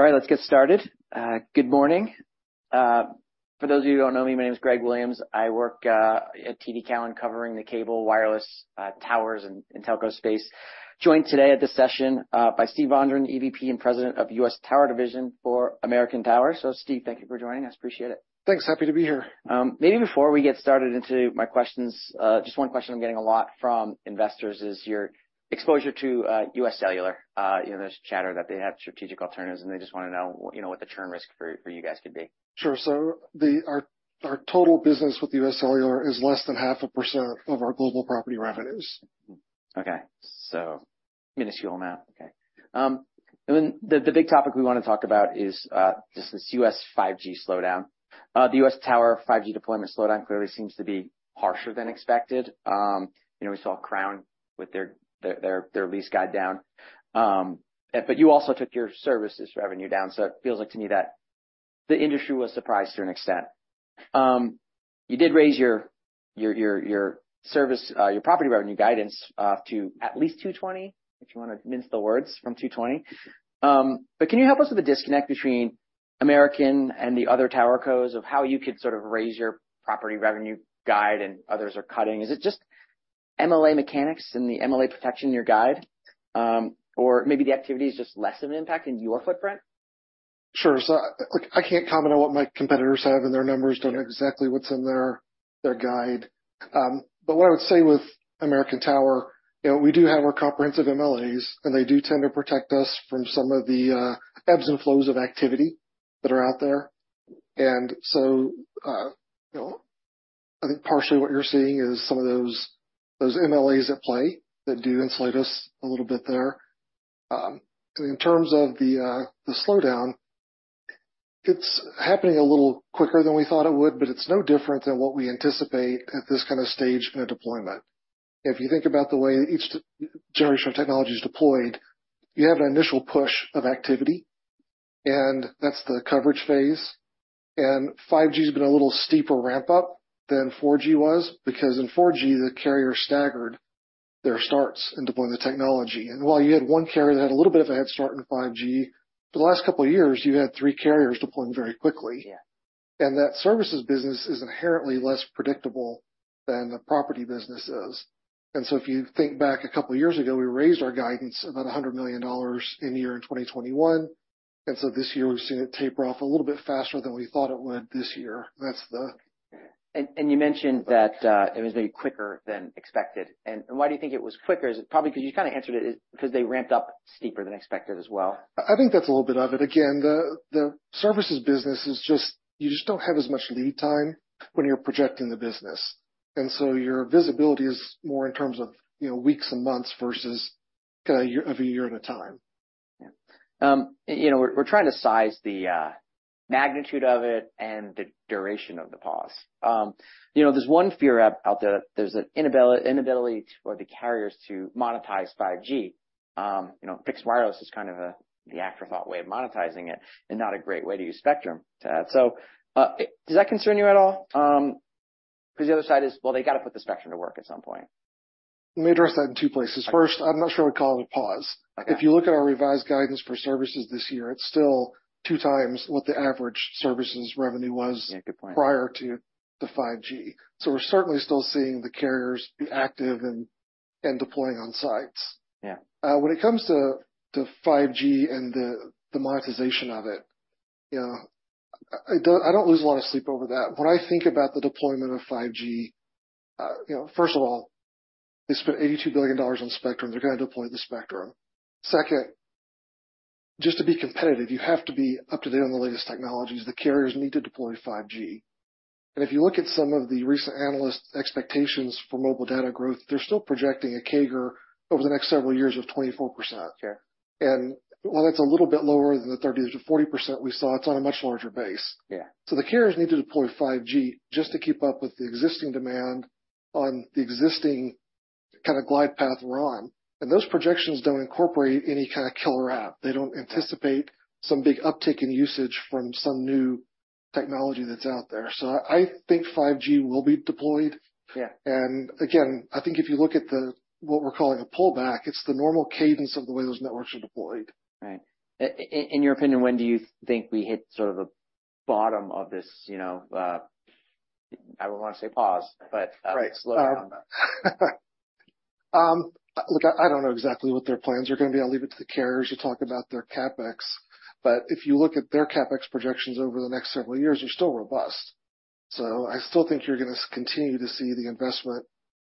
All right, let's get started. Good morning. For those of you who don't know me, my name is Greg Williams. I work at TD Cowen, covering the cable, wireless, towers, and telco space. Joined today at this session by Steven Vondran, EVP and President of U.S. Tower Division for American Tower. Steve, thank you for joining us. Appreciate it. Thanks. Happy to be here. Maybe before we get started into my questions, just one question I'm getting a lot from investors is your exposure to UScellular. You know, there's chatter that they have strategic alternatives, and they just wanna know, you know, what the term risk for you guys could be. Sure. Our total business with UScellular is less than 0.5% of our global property revenues. Okay. So minuscule amount. Okay. The big topic we wanna talk about is just this U.S. 5G slowdown. The US tower 5G deployment slowdown clearly seems to be harsher than expected. You know, we saw Crown with their lease guide down. You also took your services revenue down, so it feels like to me that the industry was surprised to an extent. You did raise your service, your property revenue guidance to at least 220, if you wanna mince the words from 220. Can you help us with the disconnect between American and the other TowerCos of how you could sort of raise your property revenue guide and others are cutting? Is it just MLA mechanics and the MLA protection in your guide, or maybe the activity is just less of an impact in your footprint? Sure. Look, I can't comment on what my competitors have, and their numbers don't know exactly what's in their guide. But what I would say with American Tower, you know, we do have our comprehensive MLAs, they do tend to protect us from some of the ebbs and flows of activity that are out there. So, you know, I think partially what you're seeing is some of those MLAs at play that do insulate us a little bit there. In terms of the slowdown, it's happening a little quicker than we thought it would, but it's no different than what we anticipate at this kind of stage in a deployment. If you think about the way each generation of technology is deployed, you have an initial push of activity, that's the coverage phase. 5G has been a little steeper ramp up than 4G was, because in 4G, the carrier staggered their starts in deploying the technology. While you had one carrier that had a little bit of a head start in 5G, for the last couple years, you had three carriers deploying very quickly. Yeah. That services business is inherently less predictable than the property business is. If you think back a couple of years ago, we raised our guidance about $100 million in the year 2021, this year we've seen it taper off a little bit faster than we thought it would this year. That's the. You mentioned that it was maybe quicker than expected. Why do you think it was quicker? Is it probably because you kinda answered it, is because they ramped up steeper than expected as well? I, I think that's a little bit of it. Again, the, the services business is just, you just don't have as much lead time when you're projecting the business, and so your visibility is more in terms of, you know, weeks and months versus of a year at a time. Yeah. you know, we're trying to size the magnitude of it and the duration of the pause. you know, there's one fear out there, that there's an inability for the carriers to monetize 5G. you know, fixed wireless is kind of a, the afterthought way of monetizing it and not a great way to use spectrum to add. Does that concern you at all? 'cause the other side is, well, they gotta put the spectrum to work at some point. Let me address that in two places. Okay. First, I'm not sure I'd call it a pause. Okay. If you look at our revised guidance for services this year, it's still 2x what the average services revenue was. Yeah, good point. Prior to the 5G. We're certainly still seeing the carriers be active and, and deploying on sites. Yeah. When it comes to, to 5G and the, the monetization of it, you know, I don't lose a lot of sleep over that. When I think about the deployment of 5G, you know, first of all, they spent $82 billion on spectrum. They're gonna deploy the spectrum. Second, just to be competitive, you have to be up-to-date on the latest technologies. The carriers need to deploy 5G. If you look at some of the recent analyst expectations for mobile data growth, they're still projecting a CAGR over the next several years of 24%. Okay. While that's a little bit lower than the 30%-40% we saw, it's on a much larger base. Yeah. The carriers need to deploy 5G just to keep up with the existing demand on the existing kinda glide path we're on. Those projections don't incorporate any kinda killer app. They don't anticipate some big uptick in usage from some new technology that's out there. I, I think 5G will be deployed. Yeah. Again, I think if you look at the, what we're calling a pullback, it's the normal cadence of the way those networks are deployed. Right. In your opinion, when do you think we hit sort of the bottom of this, you know, I would want to say pause, but-? Right. Slowdown? Look, I, I don't know exactly what their plans are gonna be. I'll leave it to the carriers to talk about their CapEx. If you look at their CapEx projections over the next several years, they're still robust. I still think you're gonna continue to see the investment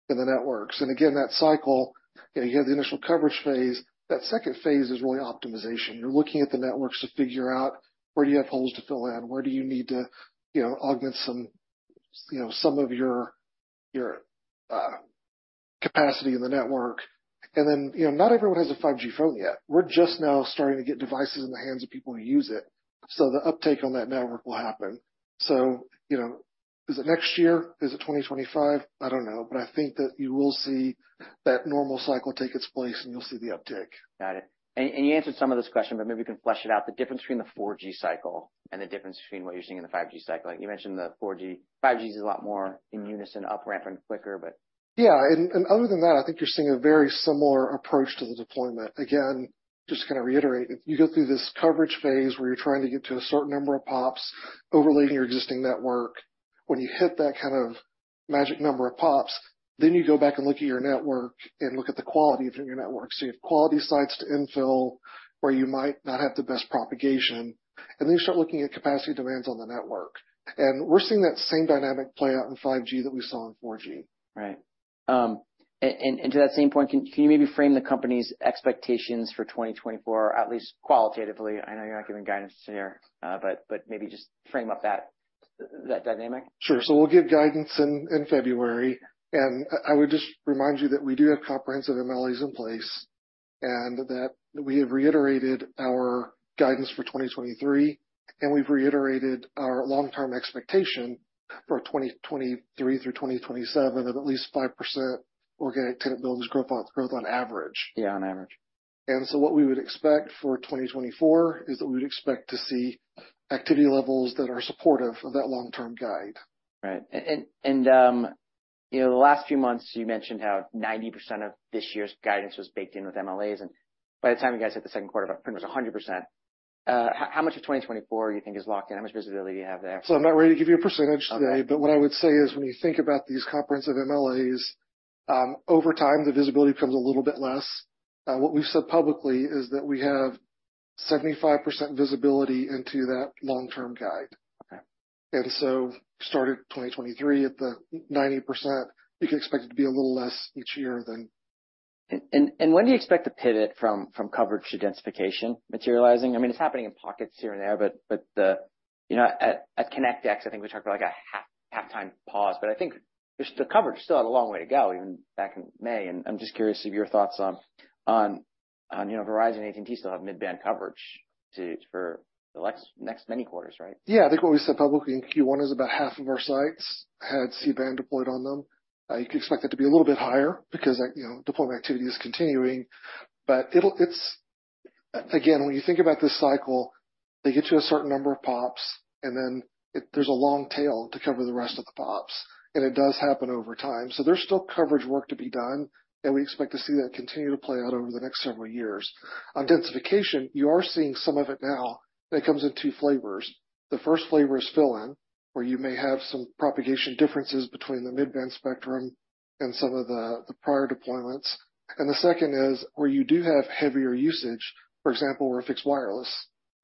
in the networks. Again, that cycle, you know, you have the initial coverage phase. That second phase is really optimization. You're looking at the networks to figure out where do you have holes to fill in, where do you need to, you know, augment some, you know, some of your, your capacity in the network. You know, not everyone has a 5G phone yet. We're just now starting to get devices in the hands of people who use it, so the uptake on that network will happen. You know, is it next year? Is it 2025? I don't know. I think that you will see that normal cycle take its place, and you'll see the uptick. Got it. You answered some of this question, but maybe you can flesh it out. The difference between the 4G cycle and the difference between what you're seeing in the 5G cycle. You mentioned that 5G is a lot more in unison, up ramp and quicker, but... Other than that, I think you're seeing a very similar approach to the deployment. Again, just to kind of reiterate, you go through this coverage phase, where you're trying to get to a certain number of PoPs, overlaying your existing network. When you hit that kind of magic number of PoPs, then you go back and look at your network and look at the quality of your network. You have quality sites to infill, where you might not have the best propagation, and then you start looking at capacity demands on the network. We're seeing that same dynamic play out in 5G that we saw in 4G. Right. And to that same point, can, can you maybe frame the company's expectations for 2024, at least qualitatively? I know you're not giving guidance here, but, but maybe just frame up that, that dynamic. Sure. We'll give guidance in February. I would just remind you that we do have comprehensive MLAs in place, and that we've reiterated our guidance for 2023, and we've reiterated our long-term expectation for 2023 through 2027, of at least 5% Organic Tenant Billings Growth on average. Yeah, on average. What we would expect for 2024, is that we'd expect to see activity levels that are supportive of that long-term guide. Right. And, in the last few months, you mentioned how 90% of this year's guidance was baked in with MLAs, and by the time you guys hit the second quarter, I think it was 100%. How much of 2024 you think is locked in? How much visibility do you have there? I'm not ready to give you a percentage today. Okay. What I would say is, when you think about these comprehensive MLAs, over time, the visibility becomes a little bit less. What we've said publicly is that we have 75% visibility into that long-term guide. Okay. Started 2023 at the 90%. You can expect it to be a little less each year then. When do you expect to pivot from coverage to densification materializing? I mean, it's happening in pockets here and there, but, you know, at Connect(X), I think we talked about like a halftime pause, but I think the coverage still had a long way to go, even back in May. I'm just curious of your thoughts on, you know, Verizon, AT&T still have mid-band coverage for the next many quarters, right? Yeah. I think what we said publicly in Q1 is about half of our sites had C-band deployed on them. You could expect that to be a little bit higher because, you know, deployment activity is continuing, but it's again, when you think about this cycle, they get to a certain number of PoPs, and then there's a long tail to cover the rest of the PoPs, and it does happen over time. There's still coverage work to be done, and we expect to see that continue to play out over the next several years. On densification, you are seeing some of it now, and it comes in two flavors. The first flavor is fill in, where you may have some propagation differences between the mid-band spectrum and some of the prior deployments. The second is where you do have heavier usage, for example, where fixed wireless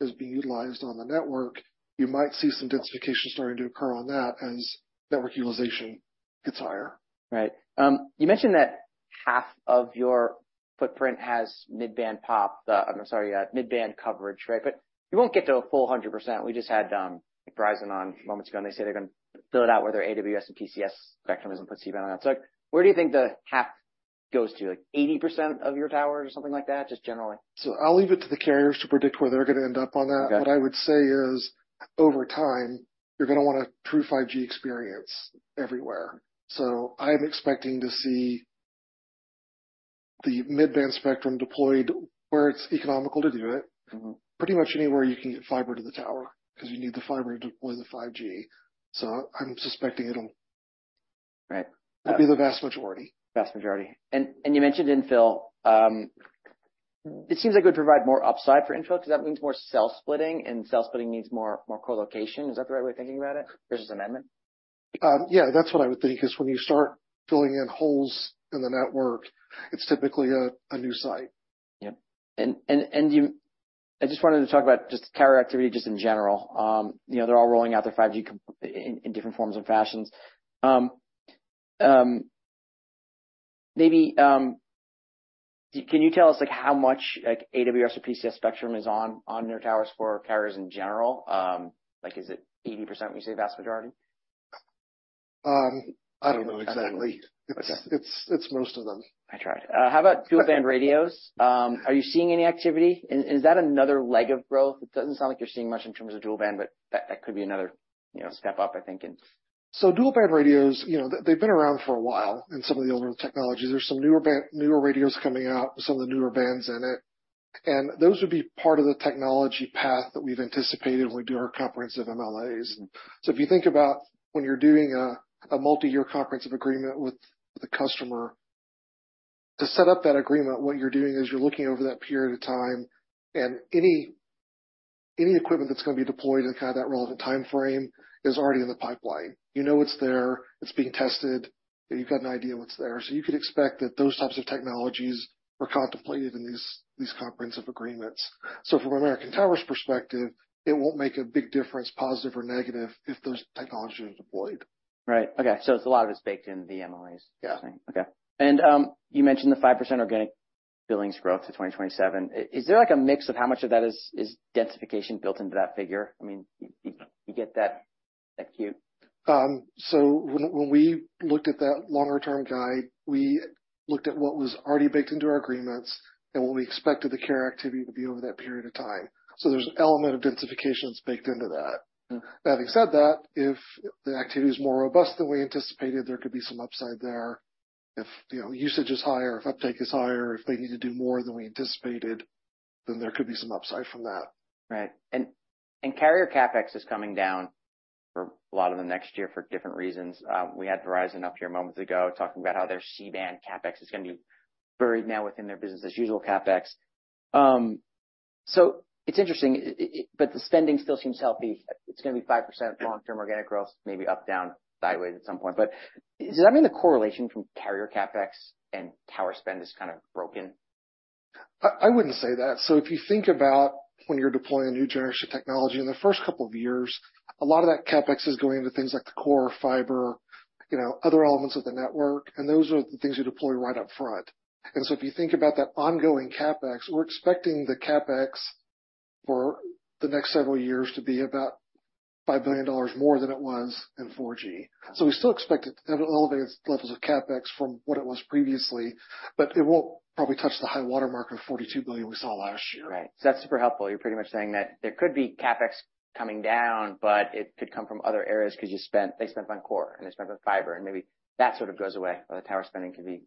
is being utilized on the network, you might see some densification starting to occur on that as network utilization gets higher. Right. You mentioned that 50% of your footprint has mid-band pop. The... I'm sorry, mid-band coverage, right? You won't get to a full 100%. We just had Verizon on moments ago. They say they're gonna build out where their AWS and PCS spectrum is, and put C-band on that. Where do you think the 50% goes to? Like, 80% of your towers or something like that, just generally? I'll leave it to the carriers to predict where they're going to end up on that. Okay. What I would say is, over time, you're gonna want a true 5G experience everywhere. I'm expecting to see the mid-band spectrum deployed where it's economical to do it. Mm-hmm. Pretty much anywhere you can get fiber to the tower, because you need the fiber to deploy the 5G. I'm suspecting. Right. be the vast majority. Vast majority. You mentioned infill. It seems like it would provide more upside for infill because that means more cell splitting, and cell splitting needs more, more colocation. Is that the right way of thinking about it versus amendment? Yeah, that's what I would think, is when you start filling in holes in the network, it's typically a, a new site. Yep. I just wanted to talk about just carrier activity, just in general. You know, they're all rolling out their 5G in different forms and fashions. Maybe, can you tell us, like, how much, like, AWS or PCS spectrum is on your towers for carriers in general? Like, is it 80% when you say vast majority? I don't know exactly. Okay. It's most of them. I tried. How about dual-band radios? Are you seeing any activity? Is that another leg of growth? It doesn't sound like you're seeing much in terms of dual-band, but that, that could be another, you know, step up, I think, in. Dual-band radios, you know, they've been around for a while in some of the older technologies. There's some newer band, newer radios coming out with some of the newer bands in it, and those would be part of the technology path that we've anticipated when we do our comprehensive MLAs. If you think about when you're doing a, a multi-year comprehensive agreement with the customer, to set up that agreement, what you're doing is you're looking over that period of time and any, any equipment that's going to be deployed in kind of that relevant timeframe is already in the pipeline. You know it's there, it's being tested, and you've got an idea what's there. You could expect that those types of technologies were contemplated in these, these comprehensive agreements. From American Tower's perspective, it won't make a big difference, positive or negative, if those technologies are deployed. Right. Okay. It's a lot of it's baked in the MLAs? Yeah. Okay. You mentioned the 5% organic billings growth to 2027. Is there, like, a mix of how much of that is densification built into that figure? I mean, you get that cute. When, when we looked at that longer-term guide, we looked at what was already baked into our agreements and what we expected the carrier activity to be over that period of time. There's an element of densification that's baked into that. Mm. Having said that, if the activity is more robust than we anticipated, there could be some upside there. If, you know, usage is higher, if uptake is higher, if they need to do more than we anticipated, then there could be some upside from that. Right. And carrier CapEx is coming down for a lot of the next year for different reasons. We had Verizon up here moments ago, talking about how their C-band CapEx is going to be buried now within their business as usual CapEx. It's interesting, but the spending still seems healthy. It's gonna be 5% long-term organic growth, maybe up, down, sideways at some point. Does that mean the correlation from carrier CapEx and tower spend is kind of broken? I, I wouldn't say that. If you think about when you're deploying a new generation of technology, in the first couple of years, a lot of that CapEx is going into things like the core fiber, you know, other elements of the network, and those are the things you deploy right up front. If you think about that ongoing CapEx, we're expecting the CapEx for the next several years to be about $5 billion more than it was in 4G. We still expect it to have elevated levels of CapEx from what it was previously, but it won't probably touch the high-water mark of $42 billion we saw last year. Right. That's super helpful. You're pretty much saying that there could be CapEx coming down, but it could come from other areas because they spent on core and they spent on fiber, and maybe that sort of goes away, or the tower spending could be-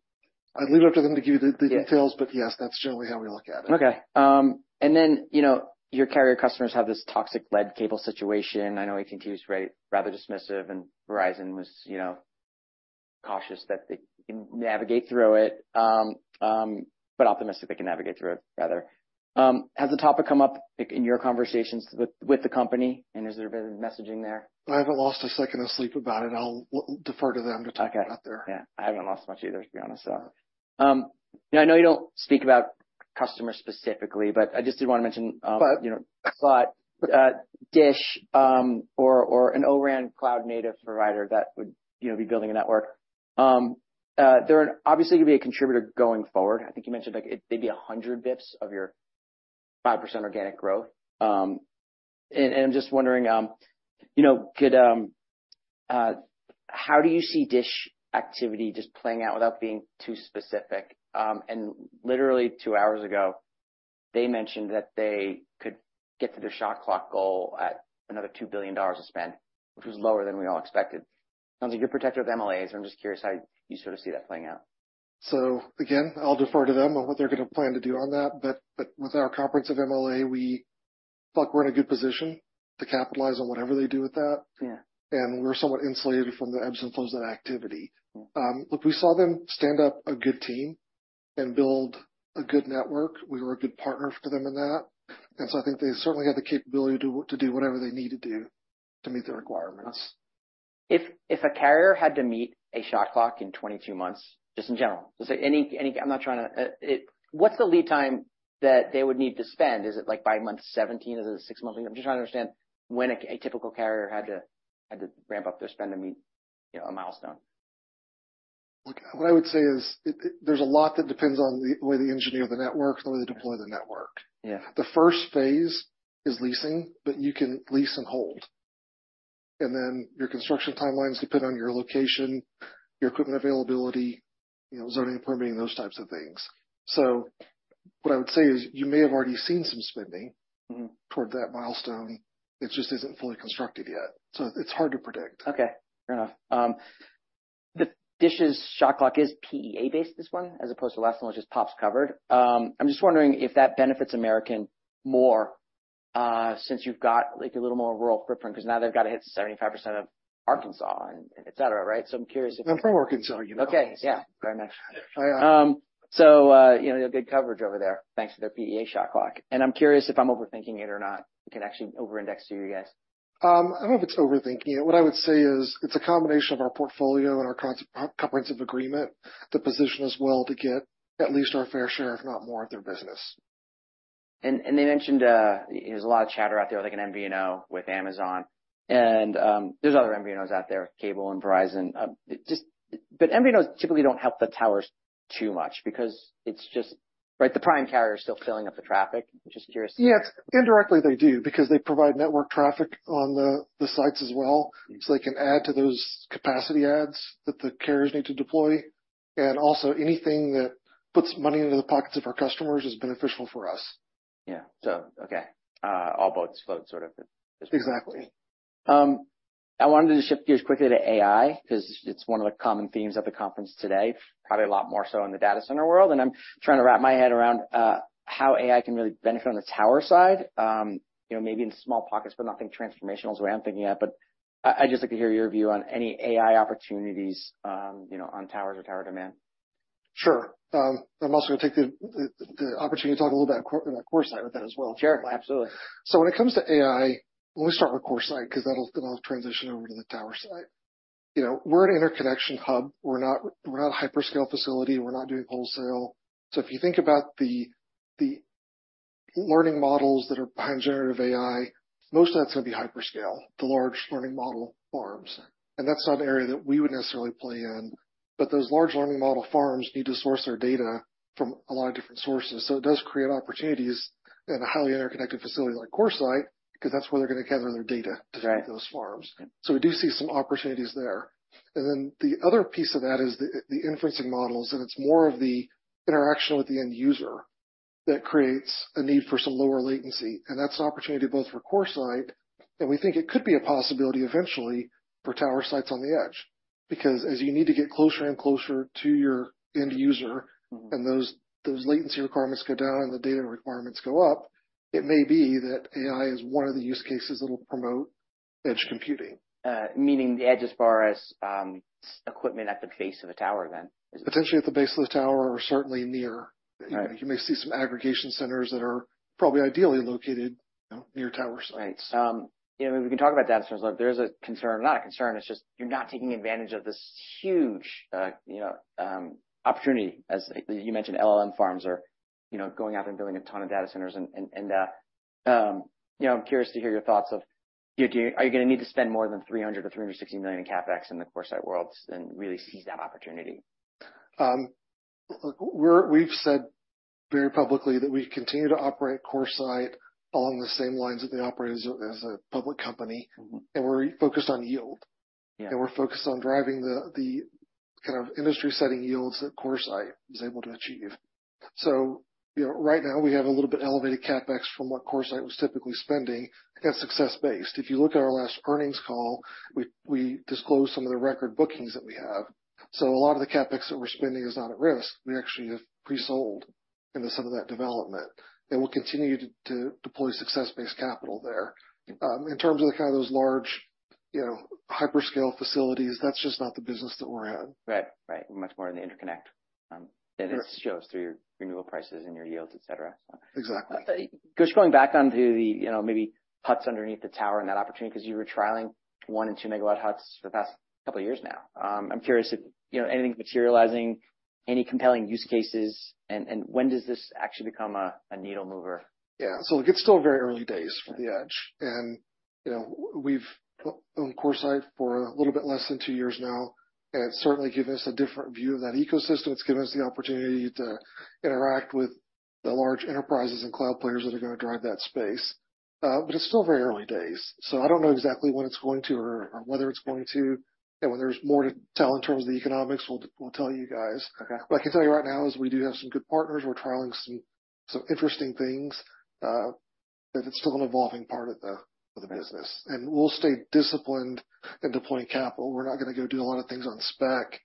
I'd leave it up to them to give you the, the details, but yes, that's generally how we look at it. Okay. You know, your carrier customers have this toxic lead cable situation. I know AT&T was rather dismissive, and Verizon was, you know, cautious that they can navigate through it, but optimistic they can navigate through it, rather. Has the topic come up, like, in your conversations with, with the company, and has there been messaging there? I haven't lost a second of sleep about it. I'll defer to them to talk about there. Okay. Yeah, I haven't lost much either, to be honest. I know you don't speak about customers specifically, but I just did want to mention. But- You know, DISH, or an O-RAN cloud-native provider that would, you know, be building a network. They're obviously gonna be a contributor going forward. I think you mentioned, like, it may be 100 bps of your 5% organic growth. I'm just wondering, you know, could, how do you see DISH activity just playing out without being too specific? Literally two hours ago, they mentioned that they could get to their shot clock goal at another $2 billion of spend, which was lower than we all expected. Sounds like you're protected with MLAs. I'm just curious how you sort of see that playing out. Again, I'll defer to them on what they're gonna plan to do on that. But with our comprehensive MLA, we feel like we're in a good position to capitalize on whatever they do with that. Yeah. We're somewhat insulated from the absence of that activity. Look, we saw them stand up a good team and build a good network. We were a good partner for them in that. I think they certainly have the capability to, to do whatever they need to do to meet the requirements. If a carrier had to meet a shot clock in 22 months, just in general, just say any, I'm not trying to, what's the lead time that they would need to spend? Is it like five months, 17, is it 6 months? I'm just trying to understand when a typical carrier had to ramp up their spend to meet, you know, a milestone. Look, what I would say is, there's a lot that depends on the way they engineer the network and the way they deploy the network. Yeah. The first phase is leasing, but you can lease and hold. Then your construction timelines depend on your location, your equipment availability, you know, zoning, permitting, those types of things. What I would say is, you may have already seen some spending. Mm-hmm. - toward that milestone. It just isn't fully constructed yet, so it's hard to predict. Okay, fair enough. DISH's shot clock is PEA based, this one, as opposed to last one, which is pops covered. I'm just wondering if that benefits American more, since you've got like a little more rural footprint, because now they've got to hit 75% of Arkansas and et cetera, right? I'm curious I'm from Arkansas, you know. Okay. Yeah, fair enough. I You know, good coverage over there. Thanks to their PEA shot clock. I'm curious if I'm overthinking it or not, it can actually overindex to you guys. I don't know if it's overthinking it. What I would say is, it's a combination of our portfolio and our comprehensive agreement, to position us well to get at least our fair share, if not more, of their business. They mentioned there's a lot of chatter out there, like an MVNO with Amazon, and there's other MVNOs out there, Cable and Verizon. Just, MVNOs typically don't help the towers too much because it's just, right, the prime carrier is still filling up the traffic. Just curious. Yes, indirectly they do, because they provide network traffic on the, the sites as well. Mm. They can add to those capacity adds that the carriers need to deploy. Also, anything that puts money into the pockets of our customers is beneficial for us. Yeah. Okay, all boats float, sort of. Exactly. I wanted to shift gears quickly to AI, because it's one of the common themes at the conference today. Probably a lot more so in the data center world, and I'm trying to wrap my head around how AI can really benefit on the tower side. You know, maybe in small pockets, but nothing transformational is the way I'm thinking about. I, I'd just like to hear your view on any AI opportunities, you know, on towers or tower demand. Sure. I'm also going to take the opportunity to talk a little about our CoreSite with that as well. Sure. Absolutely. When it comes to AI, let me start with CoreSite, because that'll, that'll transition over to the tower site. You know, we're an interconnection hub, we're not, we're not a hyperscale facility, we're not doing wholesale. If you think about the, the learning models that are behind generative AI, most of that's going to be hyperscale, the large learning model farms, and that's not an area that we would necessarily play in. Those large learning model farms need to source their data from a lot of different sources. It does create opportunities in a highly interconnected facility like CoreSite, because that's where they're going to gather their data. Right. to train those farms. Yeah. We do see some opportunities there. Then the other piece of that is the, the inferencing models, and it's more of the interaction with the end user that creates a need for some lower latency, and that's an opportunity both for CoreSite, and we think it could be a possibility eventually for tower sites on the edge. As you need to get closer and closer to your end user- Mm-hmm. and those, those latency requirements go down and the data requirements go up, it may be that AI is one of the use cases that will promote edge computing. Meaning the edge as far as, equipment at the base of a tower, then? Potentially at the base of the tower or certainly near. Right. You may see some aggregation centers that are probably ideally located, you know, near towers. Right. You know, we can talk about data centers. There's a concern, not a concern, it's just you're not taking advantage of this huge, you know, opportunity. As you mentioned, LLM farms are, you know, going out and building a ton of data centers. You know, I'm curious to hear your thoughts of, you know, do you, are you gonna need to spend more than $300 million-$360 million CapEx in the CoreSite world and really seize that opportunity? We're, we've said very publicly that we continue to operate CoreSite along the same lines that we operate as, as a public company. Mm-hmm. We're focused on yield. Yeah. We're focused on driving the, the kind of industry-setting yields that CoreSite was able to achieve. You know, right now, we have a little bit elevated CapEx from what CoreSite was typically spending, again, success-based. If you look at our last earnings call, we, we disclosed some of the record bookings that we have. A lot of the CapEx that we're spending is not at risk. We actually have pre-sold into some of that development, and we'll continue to, to deploy success-based capital there. In terms of the kind of those large, you know, hyperscale facilities, that's just not the business that we're in. Right. Right. Much more in the interconnect. Sure. It shows through your renewal prices and your yields, et cetera. Exactly. Just going back onto the, you know, maybe huts underneath the tower and that opportunity, because you were trialing 1 MW and 2 MW huts for the past couple of years now. I'm curious if, you know, anything's materializing, any compelling use cases, and, and when does this actually become a, a needle mover? Yeah. Look, it's still very early days for the edge. Right. You know, we've owned CoreSite for a little bit less than two years now, and it's certainly given us a different view of that ecosystem. It's given us the opportunity to interact with the large enterprises and cloud players that are gonna drive that space. It's still very early days, so I don't know exactly when it's going to or whether it's going to. When there's more to tell in terms of the economics, we'll, we'll tell you guys. Okay. What I can tell you right now is we do have some good partners. We're trialing some, some interesting things. It's still an evolving part of the, of the business. We'll stay disciplined in deploying capital. We're not gonna go do a lot of things on spec.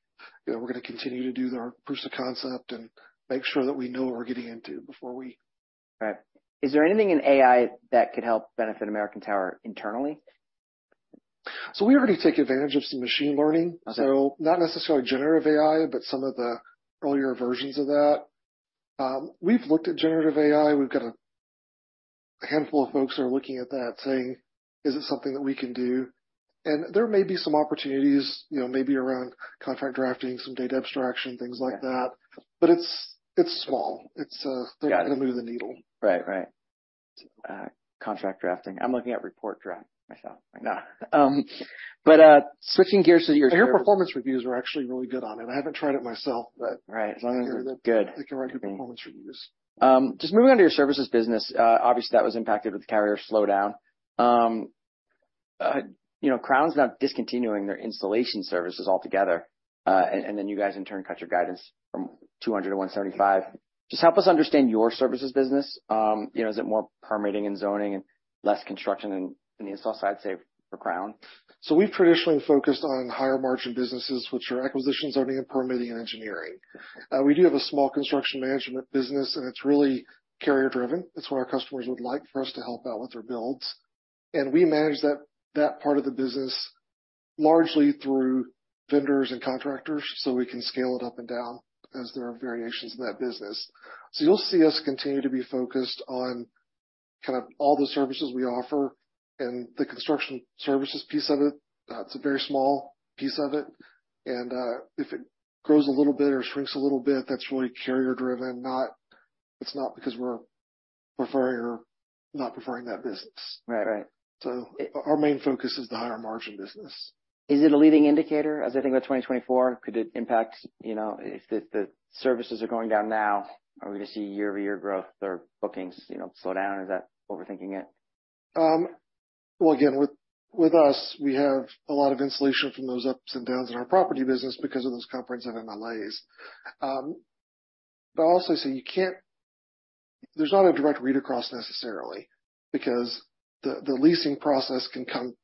You know, we're gonna continue to do the proof of concept and make sure that we know what we're getting into before we. Right. Is there anything in AI that could help benefit American Tower internally? We already take advantage of some machine learning. Okay. Not necessarily generative AI, but some of the earlier versions of that. We've looked at generative AI. We've got a handful of folks that are looking at that, saying: Is it something that we can do? There may be some opportunities, you know, maybe around contract drafting, some data abstraction, things like that. Yeah. It's, it's small. It's. Got it. not gonna move the needle. Right. Right. contract drafting. I'm looking at report draft myself right now. switching gears to your. I hear performance reviews are actually really good on it. I haven't tried it myself, but. Right. As long as they're good. It can write good performance reviews. Just moving on to your services business. Obviously, that was impacted with the carrier slowdown. You know, Crown's now discontinuing their installation services altogether, then you guys, in turn, cut your guidance from $200 to $135. Just help us understand your services business. You know, is it more permitting and zoning and less construction in the install side, say, for Crown? We've traditionally focused on higher-margin businesses, which are acquisitions, zoning, and permitting, and engineering. Okay. We do have a small construction management business, and it's really carrier-driven. It's what our customers would like for us to help out with their builds. We manage that part of the business largely through vendors and contractors, so we can scale it up and down as there are variations in that business. You'll see us continue to be focused on kind of all the services we offer, and the construction services piece of it, it's a very small piece of it, if it grows a little bit or shrinks a little bit, that's really carrier-driven, it's not because we're preferring or not preferring that business. Right. Right. Our main focus is the higher-margin business. Is it a leading indicator, as I think about 2024? Could it impact, you know, if the, the services are going down now, are we gonna see year-over-year growth or bookings, you know, slow down? Is that overthinking it? Well, again, with, with us, we have a lot of insulation from those ups and downs in our property business because of those comprehensive MLAs. I'll also say you can't there's not a direct read-across necessarily, because the, the leasing process can come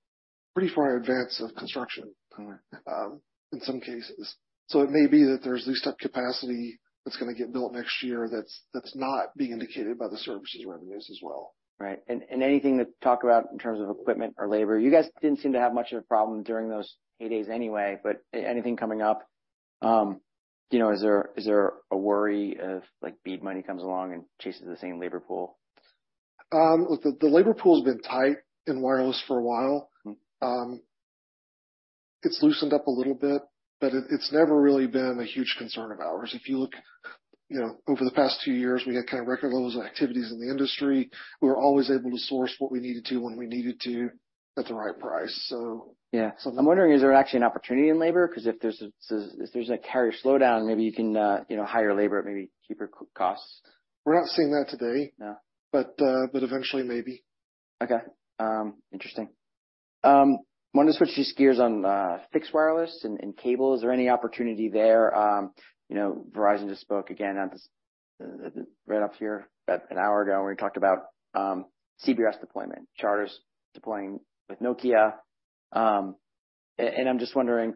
pretty far in advance of construction. All right. In some cases. It may be that there's leased-up capacity that's gonna get built next year, that's, that's not being indicated by the services revenues as well. Right. Anything to talk about in terms of equipment or labor? You guys didn't seem to have much of a problem during those hay days anyway, but anything coming up? You know, is there, is there a worry of, like, BEAD money comes along and chases the same labor pool? The, the labor pool's been tight in wireless for a while. Mm-hmm. It's loosened up a little bit, but it, it's never really been a huge concern of ours. If you look, you know, over the past two years, we had kind of record levels of activities in the industry. We were always able to source what we needed to, when we needed to, at the right price. Yeah. So- I'm wondering, is there actually an opportunity in labor? 'Cause if there's a, if there's a carrier slowdown, maybe you can, you know, hire labor, maybe keep your costs. We're not seeing that today. No. But eventually, maybe. Okay. Interesting. wanted to switch just gears on fixed wireless and cable. Is there any opportunity there? You know, Verizon just spoke again at this right up here, about an hour ago, and we talked about CBRS deployment. Charter's deploying with Nokia. I'm just wondering,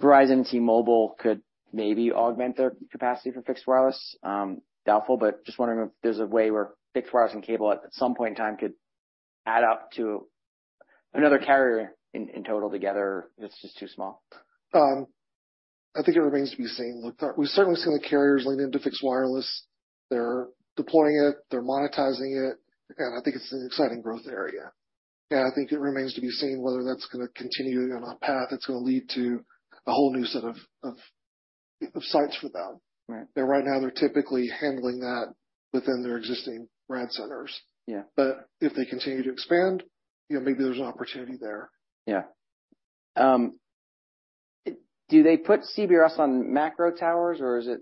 Verizon and T-Mobile could maybe augment their capacity for fixed wireless. Doubtful, but just wondering if there's a way where fixed wireless and cable, at, at some point in time, could add up to another carrier in, in total together, it's just too small? I think it remains to be seen. Look, we've certainly seen the carriers lean into fixed wireless. They're deploying it, they're monetizing it, I think it's an exciting growth area. I think it remains to be seen whether that's gonna continue on a path that's gonna lead to a whole new set of, of, of sites for them. Right. Right now, they're typically handling that within their existing brand centers. Yeah. If they continue to expand, you know, maybe there's an opportunity there. Yeah. Do they put CBRS on macro towers, or is it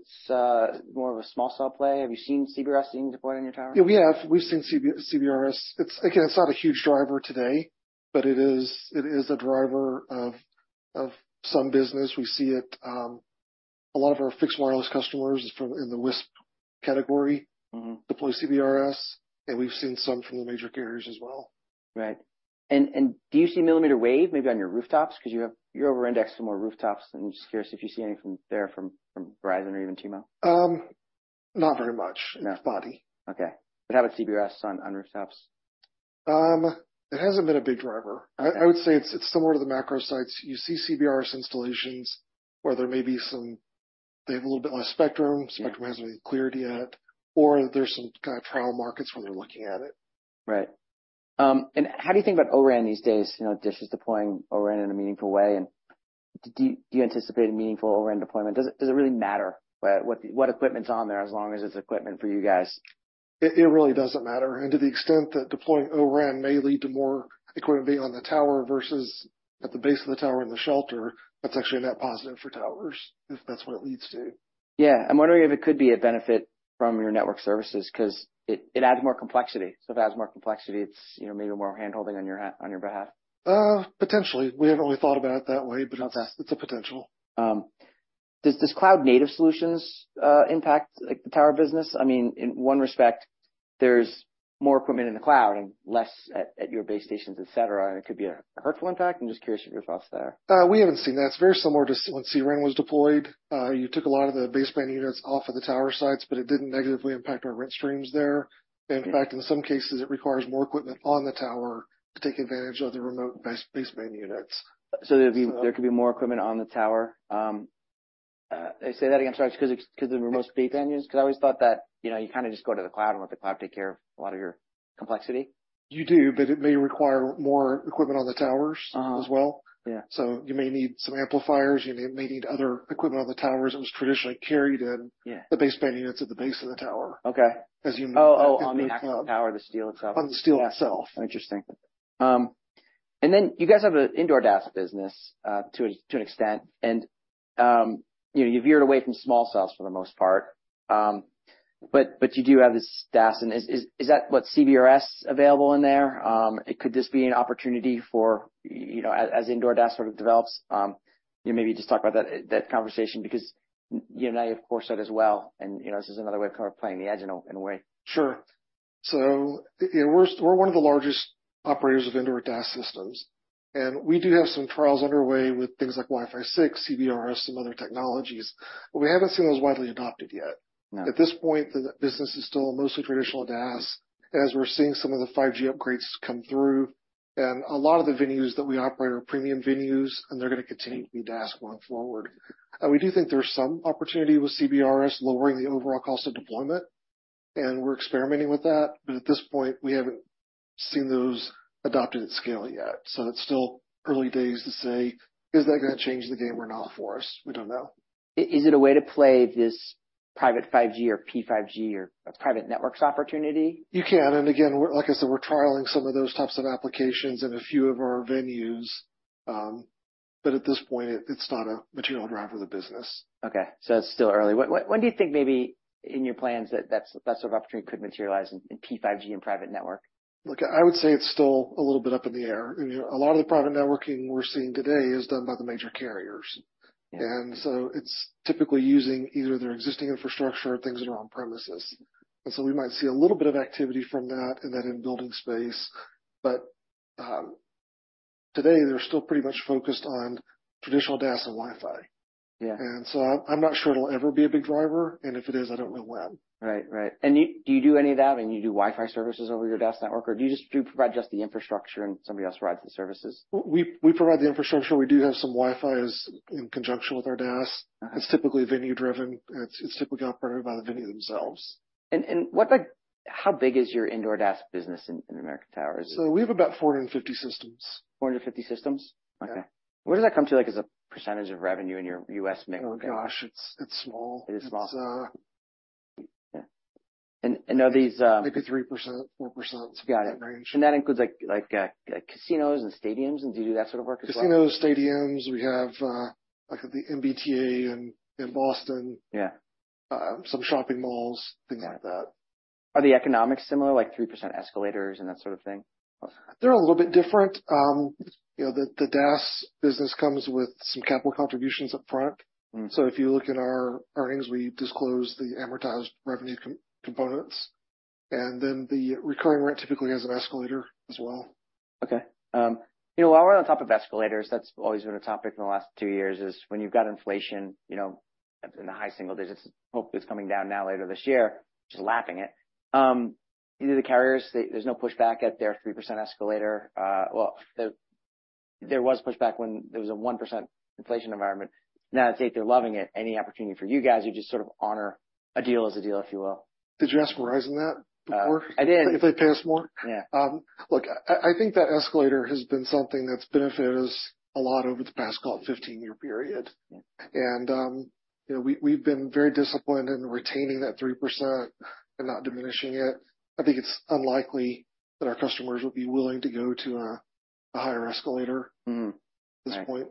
more of a small cell play? Have you seen CBRS being deployed on your towers? Yeah, we have. We've seen CBRS. It's, again, it's not a huge driver today, but it is, it is a driver of, of some business. We see it, a lot of our fixed wireless customers from, in the WISP category. Mm-hmm. deploy CBRS, and we've seen some from the major carriers as well. Right. And do you see millimeter wave, maybe on your rooftops, 'cause you're over indexed for more rooftops, and I'm just curious if you see any from there, from Verizon or even T-Mobile? Not very much. No. It's spotty. Okay. How about CBRS on, on rooftops? It hasn't been a big driver. I would say it's similar to the macro sites. You see CBRS installations where they have a little bit less spectrum. Yeah. Spectrum hasn't been cleared yet, or there's some kind of trial markets where they're looking at it. Right. How do you think about O-RAN these days? You know, Dish is deploying O-RAN in a meaningful way. Do you, do you anticipate a meaningful O-RAN deployment? Does it, does it really matter what, what, what equipment's on there, as long as it's equipment for you guys? It, it really doesn't matter, and to the extent that deploying O-RAN may lead to more equipment being on the tower versus at the base of the tower in the shelter, that's actually a net positive for towers, if that's what it leads to. Yeah. I'm wondering if it could be a benefit from your network services, 'cause it, it adds more complexity. If it adds more complexity, it's, you know, maybe more handholding on your on your behalf? Potentially. We haven't really thought about it that way. Okay. It's a potential. Does this cloud-native solutions impact, like, the tower business? I mean, in one respect, there's more equipment in the cloud and less at, at your base stations, et cetera, and it could be a hurtful impact. I'm just curious your thoughts there. We haven't seen that. It's very similar to when CRAN was deployed. You took a lot of the baseband units off of the tower sites, but it didn't negatively impact our rent streams there. Mm-hmm. In fact, in some cases, it requires more equipment on the tower to take advantage of the remote base, baseband units. So there'd be- So- there could be more equipment on the tower. say that again, sorry, because, because the remote baseband units, because I always thought that, you know, you kinda just go to the cloud and let the cloud take care of a lot of your complexity. You do, but it may require more equipment on the towers. Uh-huh. as well. Yeah. You may need some amplifiers, you may need other equipment on the towers that was traditionally carried in. Yeah The baseband units at the base of the tower. Okay. As you- Oh, oh, on the actual tower, the steel itself. On the steel itself. Interesting. Then you guys have an indoor DAS business to an, to an extent, and, you know, you veered away from small cells for the most part. You do have this DAS, and is, is, is that what CBRS available in there? Could this be an opportunity for, you know, as, as indoor DAS sort of develops, you know, maybe just talk about that, that conversation because you and I, of course, said as well, and, you know, this is another way of kind of playing the edge in a, in a way. Sure. You know, we're, we're one of the largest operators of indoor DAS systems, and we do have some trials underway with things like Wi-Fi 6, CBRS, some other technologies, but we haven't seen those widely adopted yet. Right. At this point, the business is still mostly traditional DAS, as we're seeing some of the 5G upgrades come through, and a lot of the venues that we operate are premium venues, and they're gonna continue to be DAS going forward. We do think there's some opportunity with CBRS lowering the overall cost of deployment, and we're experimenting with that, but at this point, we haven't seen those adopted at scale yet. It's still early days to say, "Is that gonna change the game or not for us?" We don't know. Is it a way to play this private 5G or P5G or private networks opportunity? You can, again, like I said, we're trialing some of those types of applications in a few of our venues. At this point, it's not a material driver for the business. It's still early. What, what, when do you think maybe in your plans that, that's, that sort of opportunity could materialize in, in P5G and private network? Look, I would say it's still a little bit up in the air, and, you know, a lot of the private networking we're seeing today is done by the major carriers. Yeah. It's typically using either their existing infrastructure or things that are on premises. We might see a little bit of activity from that in that in-building space, today, they're still pretty much focused on traditional DAS and Wi-Fi. Yeah. I'm not sure it'll ever be a big driver, and if it is, I don't know when. Right. Right. Do you do any of that, and you do Wi-Fi services over your DAS network, or do you just do provide just the infrastructure and somebody else rides the services? We provide the infrastructure. We do have some Wi-Fi as in conjunction with our DAS. Uh-huh. It's typically venue driven, and it's, it's typically operated by the venue themselves. How big is your indoor DAS business in American Tower? We have about 450 systems. 450 systems? Yeah. Okay. What does that come to, like, as a percentage of revenue in your U.S. market? Oh, gosh, it's, it's small. It is small? It's. Yeah. And are these? Maybe 3%, 4%. Got it. Range. That includes, like, like, casinos and stadiums, and do you do that sort of work as well? Casinos, stadiums, we have, like, the MBTA in, in Boston. Yeah. Some shopping malls, things like that. Are the economics similar, like 3% escalators and that sort of thing? They're a little bit different. You know, the, the DAS business comes with some capital contributions up front. Mm-hmm. If you look at our earnings, we disclose the amortized revenue components. Then the recurring rent typically has an escalator as well. Okay. You know, while we're on top of escalators, that's always been a topic in the last two years, is when you've got inflation, you know, in the high single digits, hopefully it's coming down now, later this year, just lapping it. Do the carriers, there's no pushback at their 3% escalator? Well, there was pushback when there was a 1% inflation environment. Now, I think they're loving it. Any opportunity for you guys, or you just sort of honor a deal as a deal, if you will? Did you ask Verizon that before? I did. If they pay us more? Yeah. Look, I, I think that escalator has been something that's benefited us a lot over the past, call it, 15-year period. Yeah. You know, we, we've been very disciplined in retaining that 3% and not diminishing it. I think it's unlikely that our customers will be willing to go to a, a higher escalator. Mm-hmm. At this point.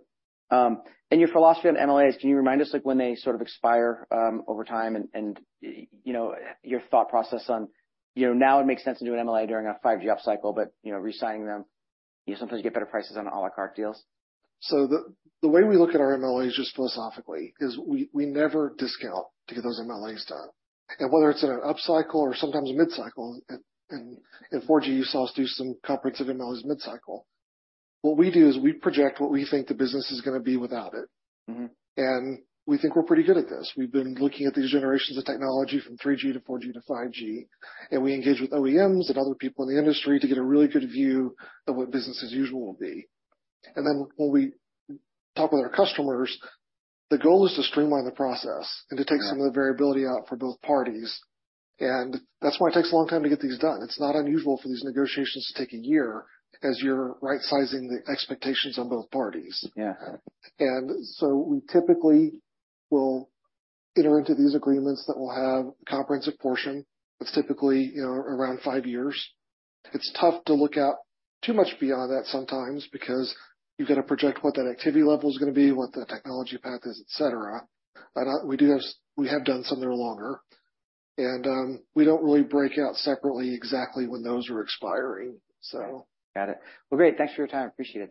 Your philosophy on MLAs, can you remind us, like, when they sort of expire, over time? You know, your thought process on, you know, now it makes sense to do an MLA during a 5G upcycle, but, you know, resigning them, you sometimes get better prices on a la carte deals. The way we look at our MLAs just philosophically, is we, we never discount to get those MLAs done. Whether it's in an upcycle or sometimes mid-cycle, and in 4G, you saw us do some comprehensive MLAs mid-cycle. What we do is we project what we think the business is gonna be without it. Mm-hmm. We think we're pretty good at this. We've been looking at these generations of technology from 3G to 4G to 5G, and we engage with OEMs and other people in the industry to get a really good view of what business as usual will be. Then when we talk with our customers, the goal is to streamline the process. Yeah. to take some of the variability out for both parties. That's why it takes a long time to get these done. It's not unusual for these negotiations to take a year, as you're right-sizing the expectations on both parties. Yeah. We typically will enter into these agreements that will have a comprehensive portion that's typically, you know, around five years. It's tough to look out too much beyond that sometimes because you've got to project what that activity level is gonna be, what the technology path is, et cetera. We do have, we have done some that are longer, and we don't really break out separately exactly when those are expiring, so. Got it. Well, great. Thanks for your time. Appreciate it.